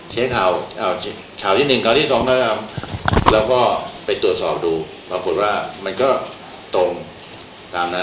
เช็คข่าวที่๑ข่าวที่๒แล้วก็ไปตรวจสอบดูปรากฏว่ามันก็ตรงตามนั้น